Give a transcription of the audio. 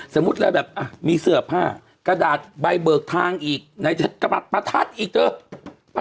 สมมุติเราแบบมีเสื้อผ้ากระดาษใบเบิกทางอีกไหนจะกระบัดประทัดอีกเถอะ